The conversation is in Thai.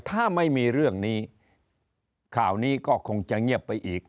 ถ้าไม่มีเรื่องนี้ข่าวนี้ก็คงจะเงียบไปอีก